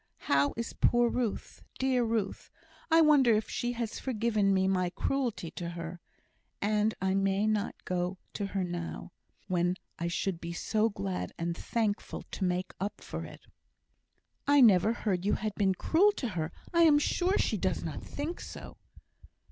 How is poor Ruth? dear Ruth! I wonder if she has forgiven me my cruelty to her? And I may not go to her now, when I should be so glad and thankful to make up for it." "I never heard you had been cruel to her. I am sure she does not think so."